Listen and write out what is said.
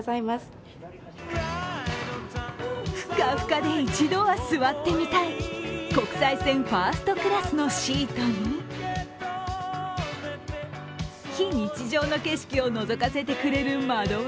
ふかふかで一度は座ってみたい国際線ファーストクラスのシートに非日常の景色をのぞかせてくれる窓枠。